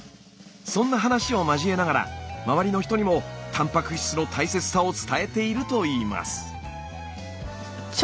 そんな話を交えながら周りの人にもたんぱく質の大切さを伝えているといいます。